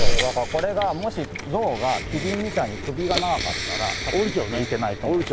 これがもしゾウがキリンみたいに首が長かったら多分生きていけないと思います。